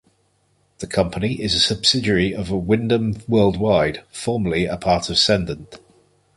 The company is a subsidiary of Wyndham Worldwide, formerly a part of Cendant.